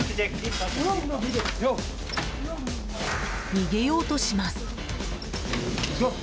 逃げようとします。